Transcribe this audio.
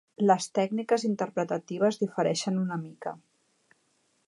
Les tècniques interpretatives difereixen una mica.